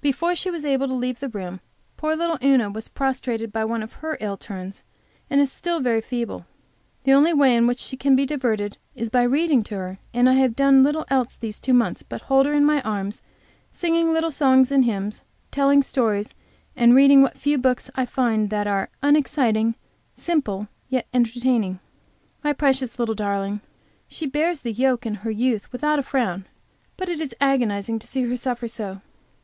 Before she was able to leave the room, poor little Una was prostrated by one of her ill turns, and is still very feeble. The only way in which she can be diverted is by reading to her, and I have done little else these two months but hold her in my arms, singing little songs and hymns, telling stories and reading what few books I can find that are unexciting, simple, yet entertaining. My precious little darling! She bears the yoke in her youth without a frown, but it is agonizing to see her suffer so.